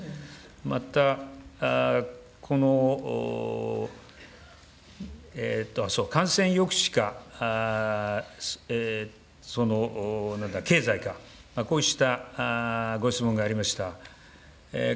また、感染抑止か、なんだ、経済か、こうしたご質問がありました。